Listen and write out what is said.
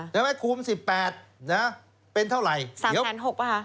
เดี๋ยวให้คุมสิบแปดนะเป็นเท่าไหร่สามแสนหกป่ะค่ะ